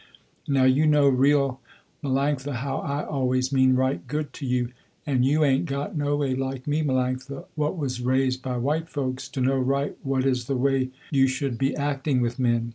Now you know real Melanctha how I always mean right good to you, and you ain't got no way like me Melanctha, what was raised by white folks, to know right what is the way you should be acting with men.